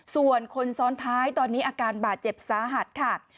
ส่วนคนซ้อนท้ายตอนนี้อาการบาดเจ็บสาหัสค่ะ